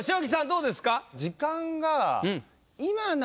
どうですか？